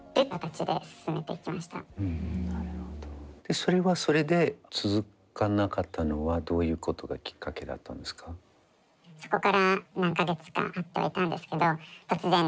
それはそれで続かなかったのはどういうことがきっかけだったんですか？